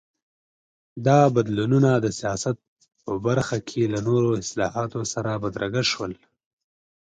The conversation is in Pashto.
دا بدلونونه د سیاست په برخه کې له نورو اصلاحاتو سره بدرګه شول.